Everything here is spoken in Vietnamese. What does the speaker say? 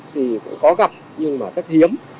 thì cũng khó gặp nhưng mà rất hiếm